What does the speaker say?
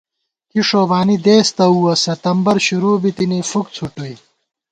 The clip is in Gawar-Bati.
کی ݭوبانی دېس تؤوَہ ستمبر شروع بِتِنی فُک څھُٹُوئی